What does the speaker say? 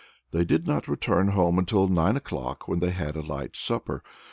They did not return home till nine o'clock, when they had a light supper.